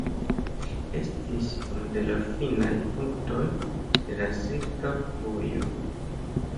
Ĝi estis unu de la finaj punktoj de la silka vojo.